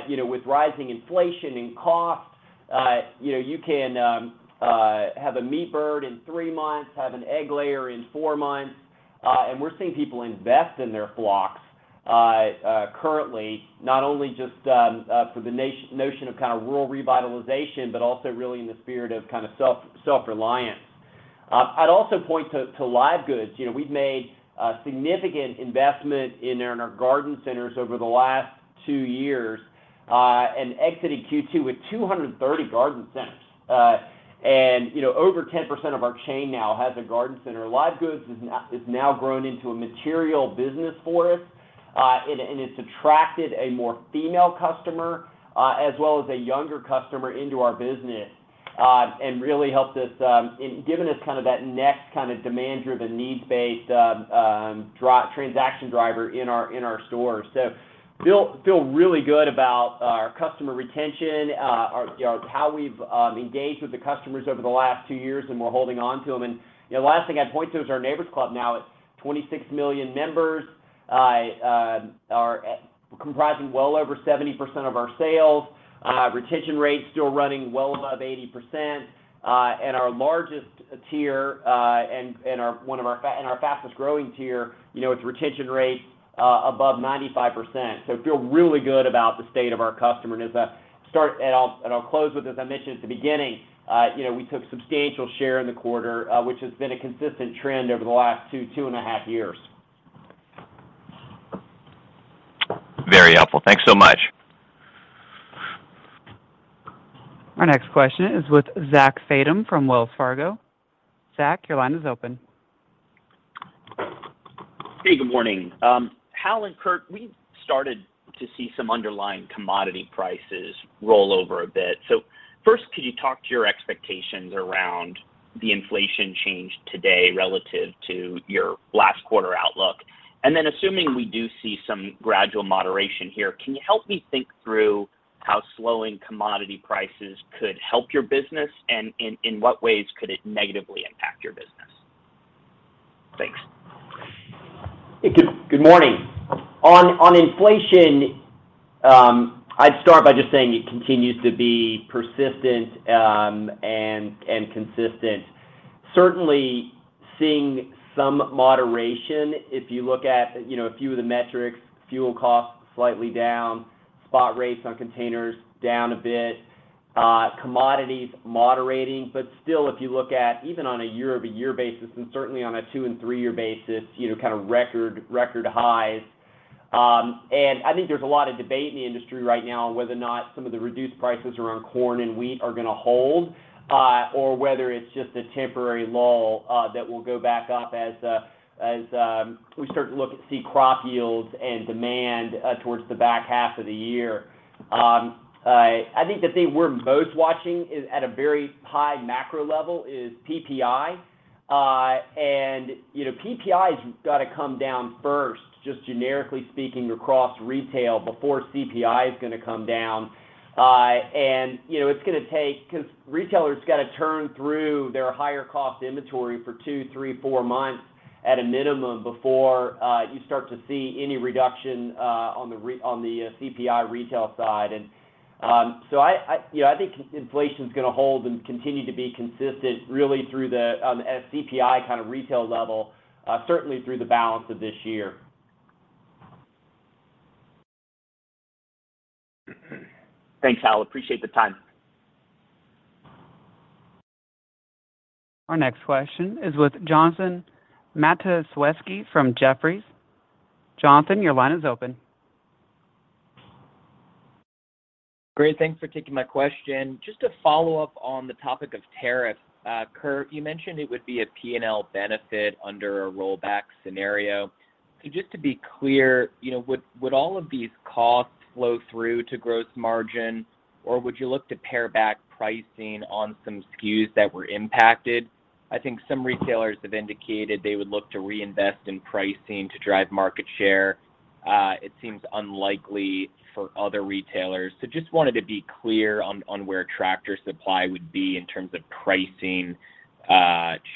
You know, with rising inflation and costs, you know, you can have a meat bird in three months, have an egg layer in four months, and we're seeing people invest in their flocks currently, not only just for the notion of kind of rural revitalization, but also really in the spirit of kind of self-reliance. I'd also point to live goods. You know, we've made a significant investment in our garden centers over the last two years, and exiting Q2 with 230 garden centers. You know, over 10% of our chain now has a garden center. Live goods is now grown into a material business for us, and it's attracted a more female customer, as well as a younger customer into our business, and really helped us in giving us kind of that next kinda demand-driven, needs-based transaction driver in our stores. Feel really good about our customer retention, our you know how we've engaged with the customers over the last two years, and we're holding on to them. You know, last thing I'd point to is our Neighbor's Club now at 26 million members are comprising well over 70% of our sales. Retention rates still running well above 80%, and our largest tier and our fastest-growing tier, you know, its retention rate above 95%. Feel really good about the state of our customer. As I start, I'll close with, as I mentioned at the beginning, you know, we took substantial share in the quarter, which has been a consistent trend over the last two and a half years. Very helpful. Thanks so much. Our next question is with Zachary Fadem from Wells Fargo. Zach, your line is open. Hey, good morning. Hal and Kurt, we've started to see some underlying commodity prices roll over a bit. First, could you talk to your expectations around the inflation change today relative to your last quarter outlook? Then assuming we do see some gradual moderation here, can you help me think through how slowing commodity prices could help your business and in what ways could it negatively impact your business? Thanks. Hey, good morning. On inflation, I'd start by just saying it continues to be persistent and consistent. Certainly seeing some moderation if you look at you know a few of the metrics, fuel costs slightly down, spot rates on containers down a bit, commodities moderating. Still, if you look at even on a year-over-year basis and certainly on a 2- and 3-year basis, you know kind of record highs. I think there's a lot of debate in the industry right now on whether or not some of the reduced prices around corn and wheat are gonna hold or whether it's just a temporary lull that will go back up as we start to look and see crop yields and demand towards the back half of the year. I think the thing we're most watching is, at a very high macro level, is PPI. You know, PPI's gotta come down first, just generically speaking across retail, before CPI is gonna come down. You know, it's gonna take—'cause retailers gotta turn through their higher cost inventory for 2, 3, 4 months at a minimum before you start to see any reduction on the CPI retail side. I think inflation's gonna hold and continue to be consistent really through the at a CPI kind of retail level, certainly through the balance of this year. Thanks, Hal. Appreciate the time. Our next question is with Jonathan Matuszewski from Jefferies. Jonathan, your line is open. Great. Thanks for taking my question. Just to follow up on the topic of tariffs, Kurt, you mentioned it would be a P&L benefit under a rollback scenario. Just to be clear, you know, would all of these costs flow through to gross margin or would you look to pare back pricing on some SKUs that were impacted? I think some retailers have indicated they would look to reinvest in pricing to drive market share. It seems unlikely for other retailers. Just wanted to be clear on where Tractor Supply would be in terms of pricing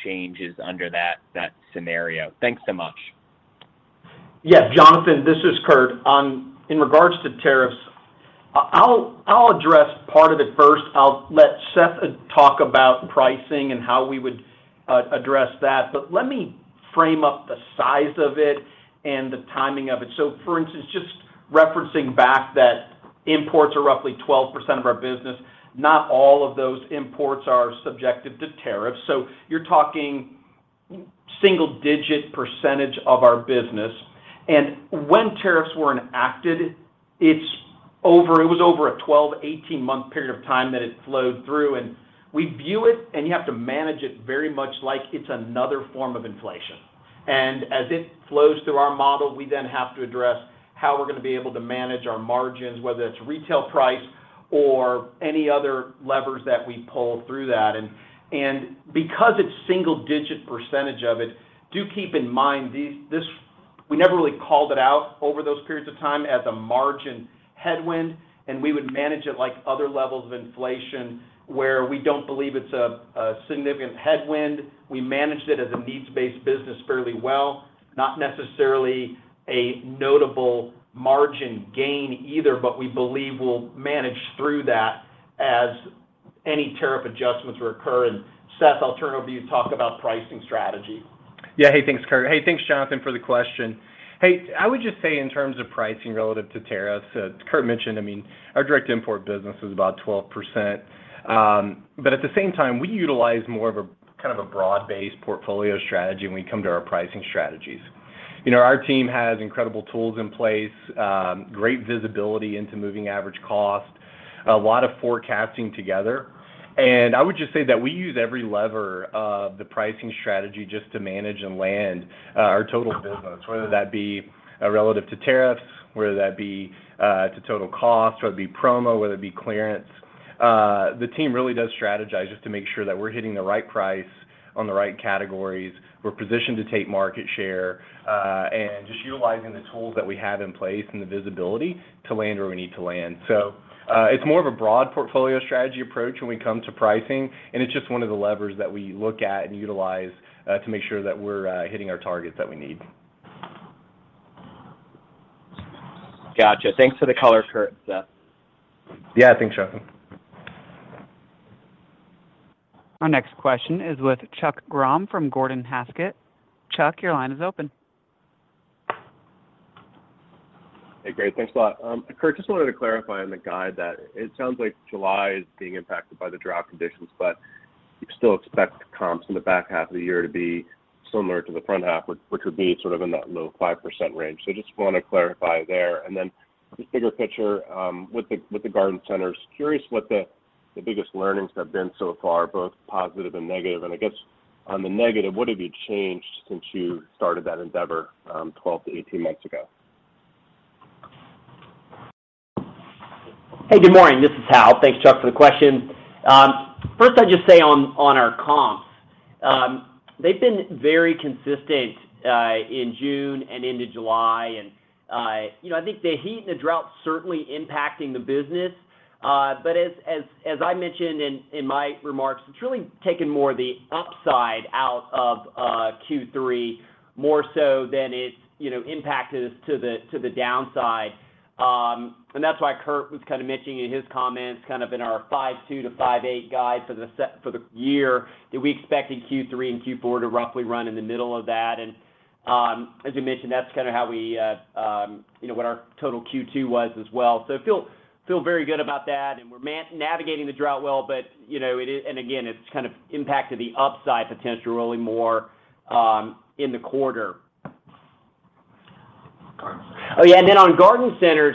changes under that scenario. Thanks so much. Yeah, Jonathan, this is Kurt. In regards to tariffs, I'll address part of it first. I'll let Seth talk about pricing and how we would address that. Let me frame up the size of it and the timing of it. For instance, just referencing back that imports are roughly 12% of our business, not all of those imports are subject to tariffs. You're talking single-digit % of our business. When tariffs were enacted, it's It was over a 12, 18-month period of time that it flowed through. We view it, and you have to manage it very much like it's another form of inflation. As it flows through our model, we then have to address how we're gonna be able to manage our margins, whether that's retail price or any other levers that we pull through that. Because it's single-digit % of it, do keep in mind this. We never really called it out over those periods of time as a margin headwind, and we would manage it like other levels of inflation, where we don't believe it's a significant headwind. We managed it as a needs-based business fairly well, not necessarily a notable margin gain either, but we believe we'll manage through that as any tariff adjustments were occur. Seth, I'll turn over to you to talk about pricing strategy. Yeah. Hey, thanks, Kurt. Hey, thanks, Jonathan, for the question. I would just say in terms of pricing relative to tariffs, as Kurt mentioned, I mean, our direct import business is about 12%. But at the same time, we utilize more of a kind of a broad-based portfolio strategy when we come to our pricing strategies. You know, our team has incredible tools in place, great visibility into moving average cost, a lot of forecasting together. I would just say that we use every lever of the pricing strategy just to manage and land our total business, whether that be relative to tariffs, whether that be to total cost, whether it be promo, whether it be clearance. The team really does strategize just to make sure that we're hitting the right price on the right categories. We're positioned to take market share, and just utilizing the tools that we have in place and the visibility to land where we need to land. It's more of a broad portfolio strategy approach when we come to pricing, and it's just one of the levers that we look at and utilize, to make sure that we're hitting our targets that we need. Gotcha. Thanks for the color, Kurt and Seth. Yeah. Thanks, Jonathan. Our next question is with Chuck Grom from Gordon Haskett. Chuck, your line is open. Hey, great. Thanks a lot. Kurt, just wanted to clarify on the guide that it sounds like July is being impacted by the drought conditions, but you still expect comps in the back half of the year to be similar to the front half, which would be sort of in that low 5% range. Just wanna clarify there. Then just bigger picture, with the garden centers, curious what the biggest learnings have been so far, both positive and negative. I guess on the negative, what have you changed since you started that endeavor, 12-18 months ago? Hey, good morning. This is Hal. Thanks, Chuck, for the question. First I'd just say on our comps, they've been very consistent in June and into July. You know, I think the heat and the drought's certainly impacting the business. As I mentioned in my remarks, it's really taken more of the upside out of Q3, more so than it's you know, impacted us to the downside. That's why Kurt was kind of mentioning in his comments, kind of in our 5.2%-5.8% guide for the year, that we expected Q3 and Q4 to roughly run in the middle of that. As we mentioned, that's kind of how we you know, what our total Q2 was as well. Feel very good about that and we're navigating the drought well, but you know, it and again, it's kind of impacted the upside potential really more in the quarter. Garden centers. Oh, yeah. On garden centers,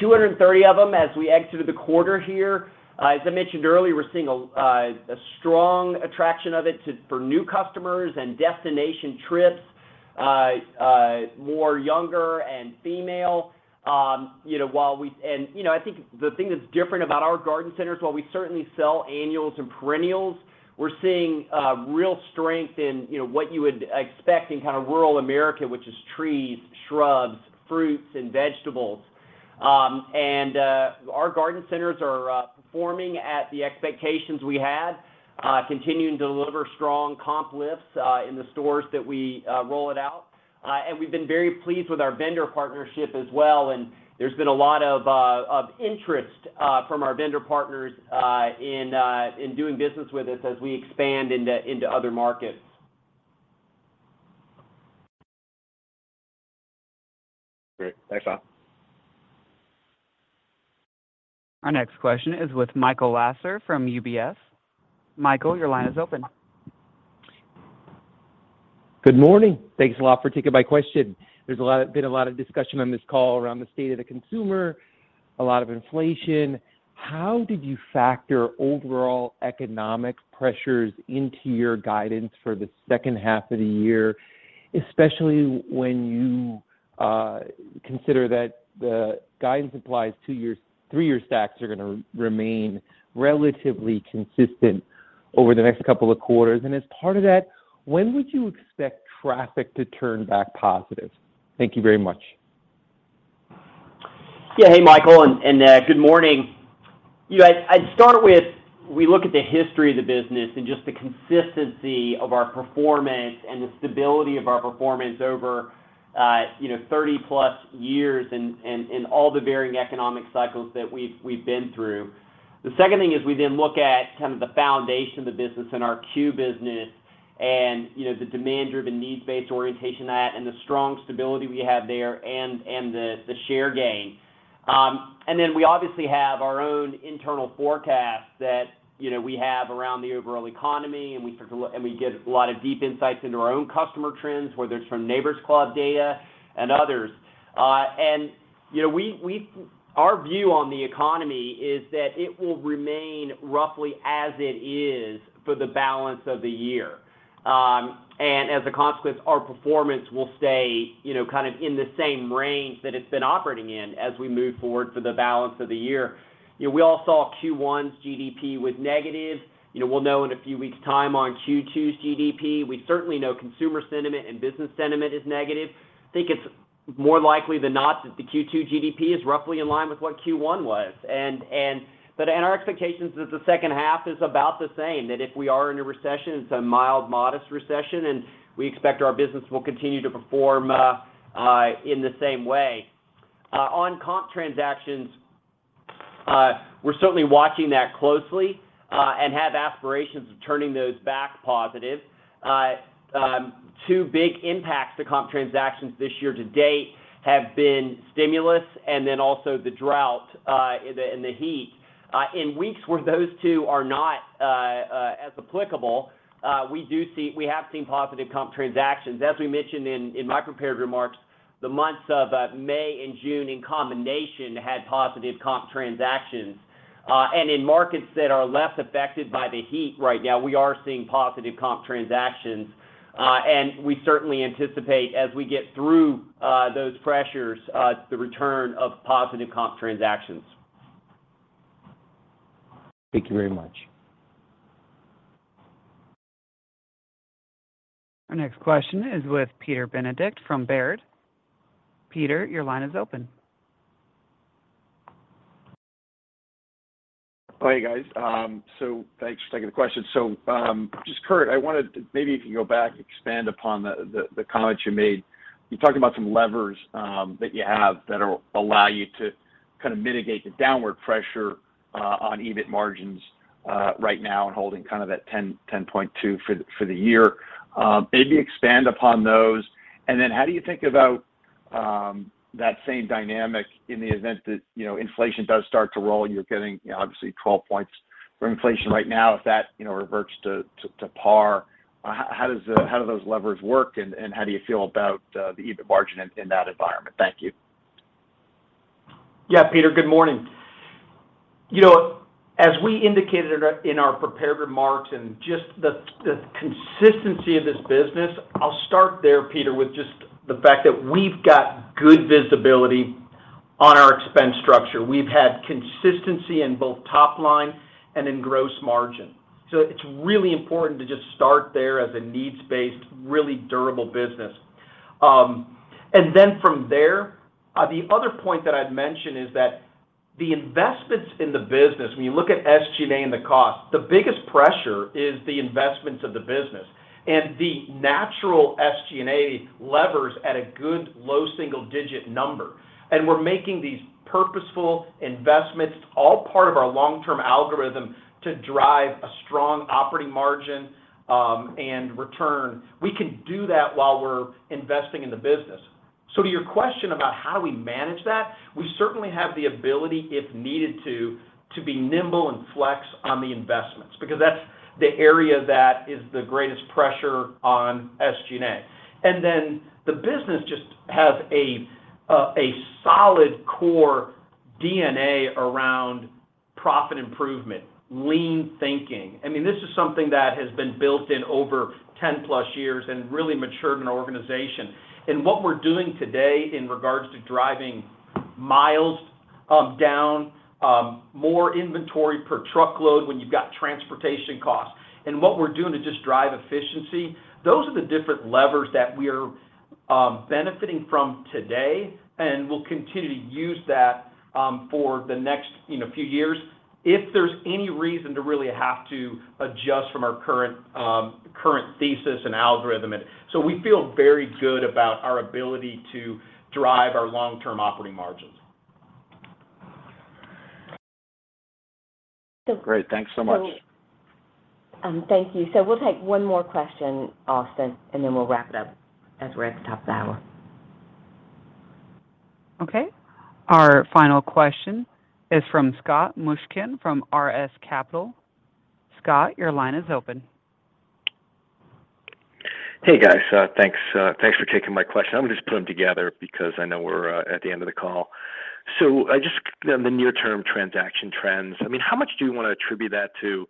230 of them as we exited the quarter here. As I mentioned earlier, we're seeing a strong attraction of it for new customers and destination trips, more younger and female. You know, I think the thing that's different about our garden centers, while we certainly sell annuals and perennials, we're seeing real strength in, you know, what you would expect in kind of rural America, which is trees, shrubs, fruits, and vegetables. Our garden centers are performing at the expectations we had, continuing to deliver strong comp lifts in the stores that we roll it out. We've been very pleased with our vendor partnership as well, and there's been a lot of interest from our vendor partners in doing business with us as we expand into other markets. Great. Thanks, Hal. Our next question is with Michael Lasser from UBS. Michael, your line is open. Good morning. Thanks a lot for taking my question. There's been a lot of discussion on this call around the state of the consumer, a lot of inflation. How did you factor overall economic pressures into your guidance for the second half of the year, especially when you consider that the guidance applies to your three-year stacks are gonna remain relatively consistent over the next couple of quarters? As part of that, when would you expect traffic to turn back positive? Thank you very much. Yeah. Hey, Michael, good morning. You know, I'd start with we look at the history of the business and just the consistency of our performance and the stability of our performance over, you know, 30+ years in all the varying economic cycles that we've been through. The second thing is we then look at kind of the foundation of the business and our core business and, you know, the demand-driven, needs-based orientation of that and the strong stability we have there and the share gain. We obviously have our own internal forecast that, you know, we have around the overall economy and we get a lot of deep insights into our own customer trends, whether it's from Neighbor's Club data and others. You know, our view on the economy is that it will remain roughly as it is for the balance of the year. As a consequence, our performance will stay, you know, kind of in the same range that it's been operating in as we move forward for the balance of the year. You know, we all saw Q1's GDP was negative. You know, we'll know in a few weeks' time on Q2's GDP. We certainly know consumer sentiment and business sentiment is negative. I think it's more likely than not that the Q2 GDP is roughly in line with what Q1 was. In our expectations, the second half is about the same, that if we are in a recession, it's a mild, modest recession, and we expect our business will continue to perform in the same way. On comp transactions, we're certainly watching that closely, and have aspirations of turning those back positive. Two big impacts to comp transactions this year to date have been stimulus and then also the drought and the heat. In weeks where those two are not as applicable, we have seen positive comp transactions. As we mentioned in my prepared remarks, the months of May and June in combination had positive comp transactions. In markets that are less affected by the heat right now, we are seeing positive comp transactions. We certainly anticipate as we get through those pressures, the return of positive comp transactions. Thank you very much. Our next question is with Peter Benedict from Baird. Peter, your line is open. Hi, guys. Thanks for taking the question. Just Kurt, I wanted to maybe if you go back, expand upon the comment you made. You talked about some levers that you have that'll allow you to kind of mitigate the downward pressure on EBIT margins right now and holding kind of that 10.2% for the year. Maybe expand upon those. Then how do you think about that same dynamic in the event that, you know, inflation does start to roll? You're getting, you know, obviously 12% for inflation right now. If that, you know, reverts to par, how do those levers work, and how do you feel about the EBIT margin in that environment? Thank you. Yeah. Peter, good morning. You know, as we indicated in our prepared remarks and just the consistency of this business, I'll start there, Peter, with just the fact that we've got good visibility on our expense structure. We've had consistency in both top line and in gross margin. It's really important to just start there as a needs-based, really durable business. From there, the other point that I'd mention is that the investments in the business, when you look at SG&A and the cost, the biggest pressure is the investments of the business. The natural SG&A levers at a good low single digit number. We're making these purposeful investments, all part of our long-term algorithm to drive a strong operating margin, and return. We can do that while we're investing in the business. To your question about how do we manage that, we certainly have the ability, if needed to be nimble and flex on the investments because that's the area that is the greatest pressure on SG&A. Then the business just has a solid core DNA around profit improvement, lean thinking. I mean, this is something that has been built in over 10+ years and really matured in our organization. What we're doing today in regards to driving miles down, more inventory per truckload when you've got transportation costs and what we're doing to just drive efficiency, those are the different levers that we're benefiting from today and will continue to use that for the next, you know, few years if there's any reason to really have to adjust from our current current thesis and algorithm. We feel very good about our ability to drive our long-term operating margins. Great. Thanks so much. Thank you. We'll take one more question, Austin, and then we'll wrap it up as we're at the top of the hour. Okay. Our final question is from Scott Mushkin from R5 Capital. Scott, your line is open. Hey, guys. Thanks for taking my question. I'm gonna just put them together because I know we're at the end of the call. On the near term transaction trends, I mean, how much do you wanna attribute that to,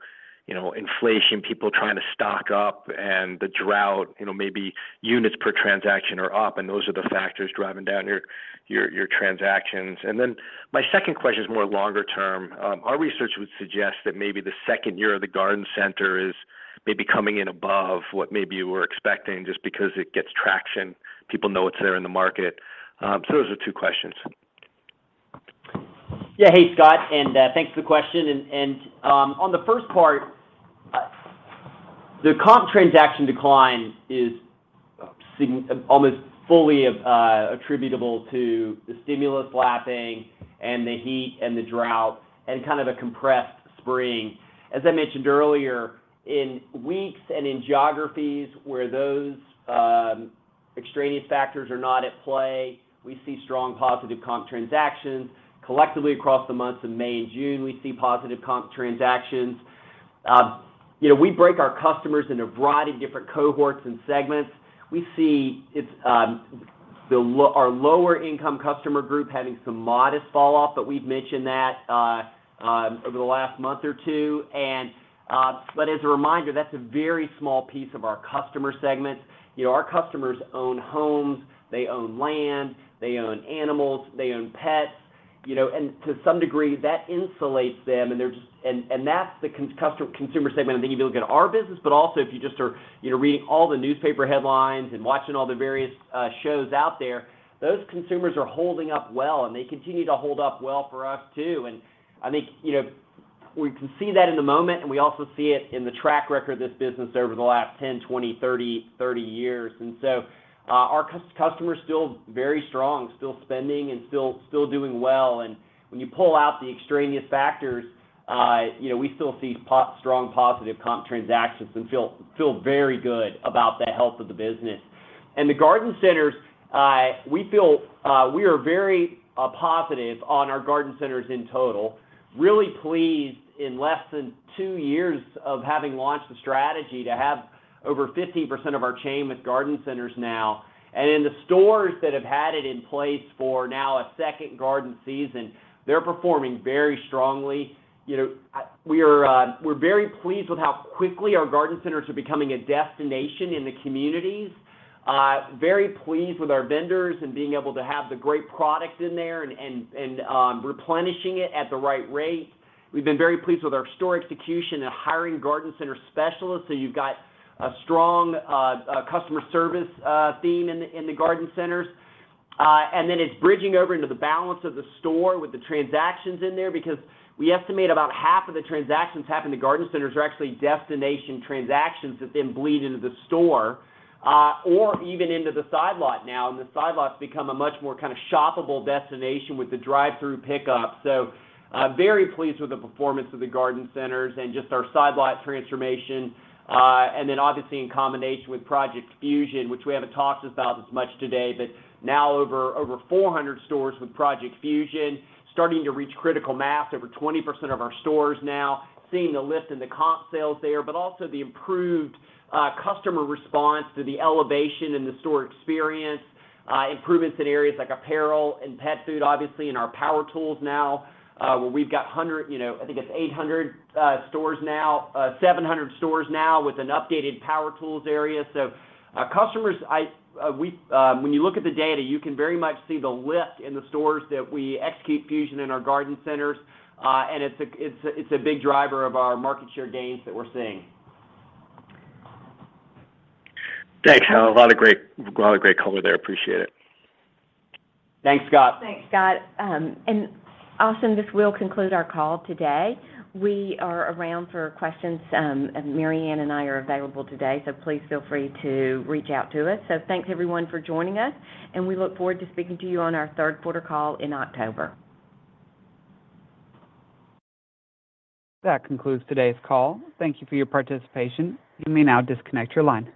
you know, inflation, people trying to stock up and the drought, you know, maybe units per transaction are up, and those are the factors driving down your transactions? My second question is more longer term. Our research would suggest that maybe the second year of the garden center is maybe coming in above what maybe you were expecting just because it gets traction. People know it's there in the market. Those are two questions. Yeah. Hey, Scott, and thanks for the question. On the first part, the comp transaction decline is almost fully attributable to the stimulus lapping and the heat and the drought and kind of a compressed spring. As I mentioned earlier, in weeks and in geographies where those extraneous factors are not at play, we see strong positive comp transactions. Collectively across the months of May and June, we see positive comp transactions. You know, we break our customers into a variety of different cohorts and segments. We see our lower income customer group having some modest fall off, but we've mentioned that over the last month or two. As a reminder, that's a very small piece of our customer segment. You know, our customers own homes, they own land, they own animals, they own pets, you know. To some degree, that insulates them, and that's the consumer segment. I think if you look at our business, but also if you just are, you know, reading all the newspaper headlines and watching all the various shows out there, those consumers are holding up well, and they continue to hold up well for us too. I think, you know, we can see that in the moment, and we also see it in the track record of this business over the last 10, 20, 30 years. Our customers still very strong, still spending and still doing well. When you pull out the extraneous factors, you know, we still see strong positive comp transactions and feel very good about the health of the business. The garden centers, we feel very positive on our garden centers in total. Really pleased in less than two years of having launched the strategy to have over 15% of our chain with garden centers now. In the stores that have had it in place for now a second garden season, they're performing very strongly. You know, we're very pleased with how quickly our garden centers are becoming a destination in the communities. Very pleased with our vendors and being able to have the great product in there and replenishing it at the right rate. We've been very pleased with our store execution and hiring garden center specialists. You've got a strong customer service theme in the garden centers. Then it's bridging over into the balance of the store with the transactions in there because we estimate about half of the transactions happen in the garden centers are actually destination transactions that then bleed into the store, or even into the side lot now. The side lot's become a much more kinda shoppable destination with the drive-through pickup. Very pleased with the performance of the garden centers and just our side lot transformation. Then obviously in combination with Project Fusion, which we haven't talked about as much today, but now over 400 stores with Project Fusion starting to reach critical mass. Over 20% of our stores now seeing a lift in the comp sales there, but also the improved customer response to the elevation in the store experience, improvements in areas like apparel and pet food, obviously, and our power tools now, where we've got 700 stores now with an updated power tools area. Customers, when you look at the data, you can very much see the lift in the stores that we execute Fusion in our garden centers. It's a big driver of our market share gains that we're seeing. Thanks, Hal. A lot of great color there. Appreciate it. Thanks, Scott. Thanks, Scott. Austin, this will conclude our call today. We are around for questions. Marianne and I are available today, so please feel free to reach out to us. Thanks everyone for joining us, and we look forward to speaking to you on our third quarter call in October. That concludes today's call. Thank you for your participation. You may now disconnect your line.